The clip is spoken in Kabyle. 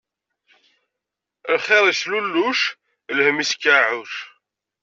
Lxiṛ islulluc, lhemm iskeɛɛuc.